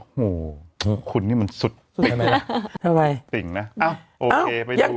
โอ้โหคุณนี่มันสุดใช่ไหมล่ะทำไมติ่งนะอ้าวโอเคไปดู